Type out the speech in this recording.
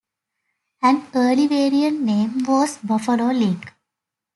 An early variant name was "Buffalo Lick".